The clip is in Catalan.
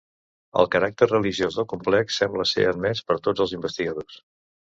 El caràcter religiós del complex sembla ser admès per tots els investigadors.